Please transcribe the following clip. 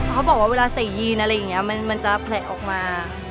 เขาบอกว่าเวลาใส่ยีนอะไรอย่างนี้มันจะแผลออกมา